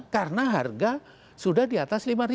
karena harga sudah di atas lima